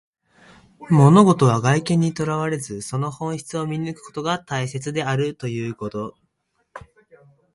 物事は外見にとらわれず、その本質を見抜くことが大切であるということ。